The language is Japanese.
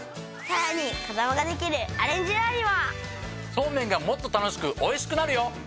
そうめんがもっと楽しくおいしくなるよ！